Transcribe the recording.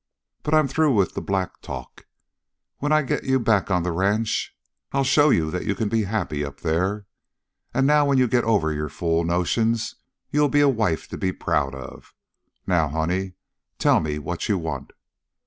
"But I'm through with the black talk. When I get you back on the ranch I'll show you that you can be happy up there. And when you get over your fool notions, you'll be a wife to be proud of. Now, honey, tell me what you want?"